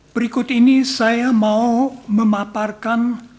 berikut ini saya mau memaparkan